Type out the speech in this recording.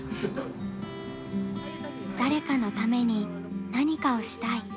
「誰かのために何かをしたい」。